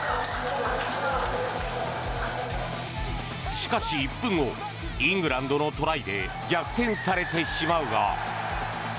しかし、１分後イングランドのトライで逆転されてしまうが。